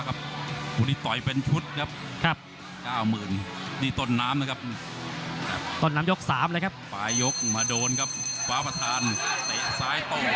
ถ้าเอาแจ้งอีกโดนไปก็อีกแบบนี้ครับ